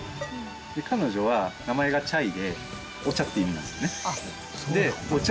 で彼女は名前が「チャイ」でお茶っていう意味なんですね。でお茶